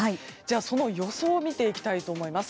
その予想を見ていきたいと思います。